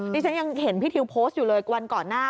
ดิฉันยังเห็นพี่ทิวโพสต์อยู่เลยวันก่อนหน้า